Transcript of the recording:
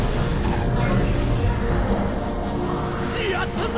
やったぜ！